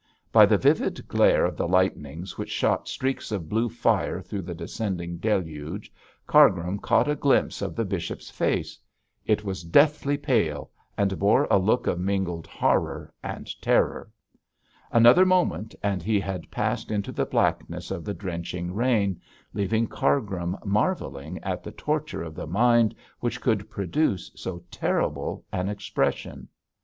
By the livid glare of the lightnings which shot streaks of blue fire through the descending deluge, Cargrim caught a glimpse of the bishop's face. It was deathly pale, and bore a look of mingled horror and terror. Another moment and he had passed into the blackness of the drenching rain, leaving Cargrim marvelling at the torture of the mind which could produce so terrible an expression.